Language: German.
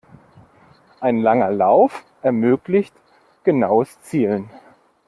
Ein langer Lauf ermöglicht genaues Zielen.